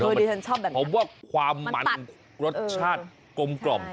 คือที่ฉันชอบแบบนั้นนะมันตัดเพราะว่าความมันรสชาติกลมกล่อม